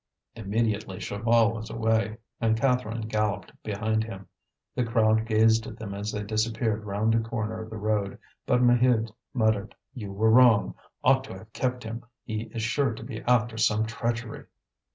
Immediately Chaval was away, and Catherine galloped behind him. The crowd gazed at them as they disappeared round a corner of the road; but Maheude muttered: "You were wrong; ought to have kept him. He is sure to be after some treachery."